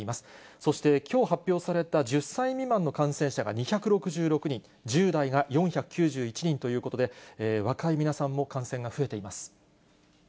そして、きょう発表された１０歳未満の感染者が２６６人、１０代が４９１人ということで、若い皆さんも感染が増えています。